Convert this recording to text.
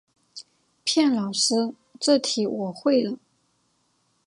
骗老师这题我会了